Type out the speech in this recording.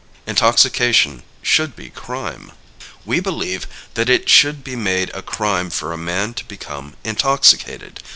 Intoxication Should Be Crime. We believe that it should be made a crime for a man to become intoxicated.